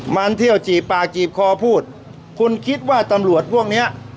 มาเที่ยวจีบปากจีบคอพูดคุณคิดว่าตำรวจพวกเนี้ย